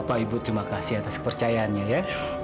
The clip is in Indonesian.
bapak ibu terima kasih atas kepercayaannya ya